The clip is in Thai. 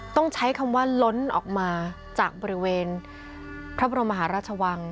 ต้องใช้คำว่าล้นออกมาจากบริเวณพระบรมมหาราชวัง